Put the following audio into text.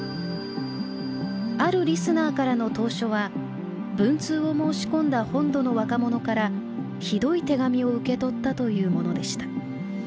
あるリスナーからの投書は文通を申し込んだ本土の若者からひどい手紙を受け取ったというものでした。